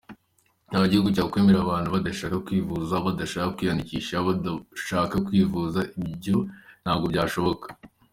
Nta gihugu cyakwemera abantu badashaka kwivuza, badashaka kwiyandikisha, badashaka kwivuza, ibyo ntabwo byashoboka.